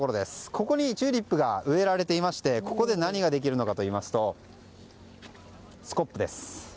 ここにチューリップが植えられていましてここで何ができるかといいますとスコップです。